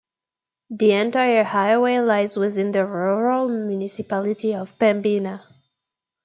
The entire highway lies within the Rural Municipality of Pembina.